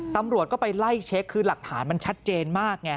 ตำรวจก็ไปไล่เช็คคือหลักฐานมันชัดเจนมากไง